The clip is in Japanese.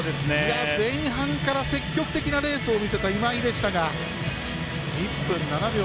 前半から積極的なレースを見せた今井でしたが１分７秒７５。